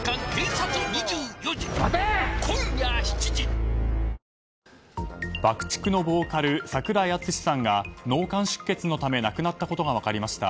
ＢＵＣＫ‐ＴＩＣＫのボーカル櫻井敦司さんが脳幹出血のため亡くなったことが分かりました。